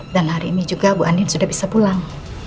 dan hari ini juga bu andin sudah bisa pulang